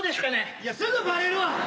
いやすぐばれるわ！